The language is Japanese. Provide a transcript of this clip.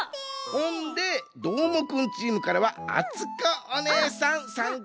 ほんでどーもくんチームからはあつこおねえさんさんかしてや。